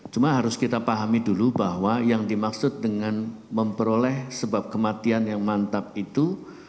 cuma harus kita pahami dulu bahwa yang dimaksud dengan memperoleh sebab kematian yang mantap itu